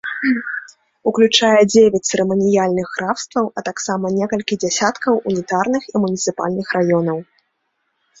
Уключае дзевяць цырыманіяльных графстваў, а таксама некалькі дзясяткаў унітарных і муніцыпальных раёнаў.